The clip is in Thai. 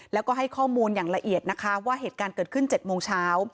แล้วก็ให้ข้อมูลอย่างละเอียดนะคะว่าเหตุการณ์เกิดขึ้น๗โมงเช้า